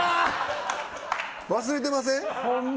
忘れてません。